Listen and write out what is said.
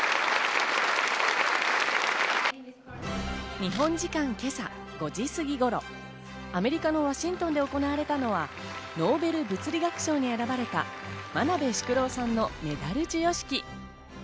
日本時間今朝、５時すぎごろ、アメリカのワシントンで行われたのは、ノーベル物理学賞に選ばれた真鍋淑郎さんのメダル授与式。